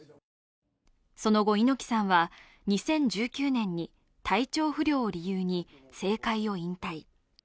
その後、猪木さんは２０１９年に体調不良を理由に政界を引退。